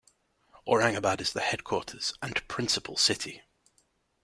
Aurangabad is the headquarters and principal city.